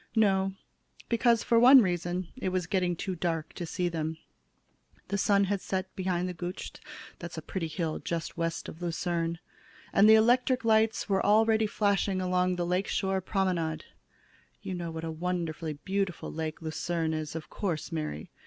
"No, because, for one reason, it was getting too dark to see them. The sun had set behind the Gutsch that's a pretty hill just west of Lucerne and the electric lights were already flashing along the lake shore promenade. You know what a wonderfully beautiful lake Lucerne is, of course, Mary?"